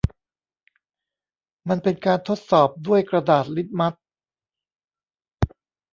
มันเป็นการทดสอบด้วยกระดาษลิตมัส